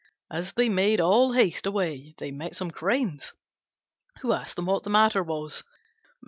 As they made all haste away they met some cranes, who asked them what the matter was.